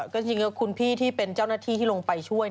ก็จริงคุณพี่ที่เป็นเจ้าหน้าที่ที่ลงไปช่วย